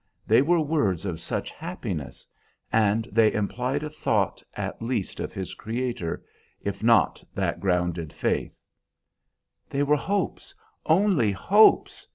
They were words of such happiness; and they implied a thought, at least, of his Creator, if not that grounded faith" "They were hopes, only hopes!"